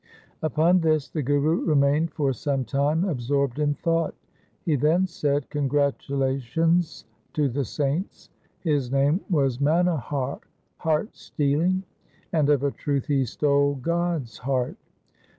Upon this the Guru remained for some time absorbed in thought. He then said, ' Congratulations to the saints ! His name was Manohar — heart stealing — and of a truth he stole God's heart.'